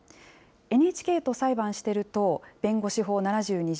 ＮＨＫと裁判してる党弁護士法７２条